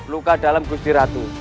luka dalam gusti ratu